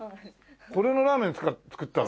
これのラーメン作ったら？